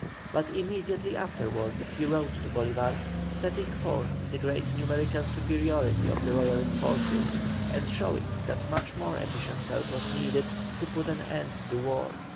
But immediately afterwards he wrote to Bolívar, setting forth the great numerical superiority of the Royalist forces, and showing that much more efficient help was needed to put an end to the war.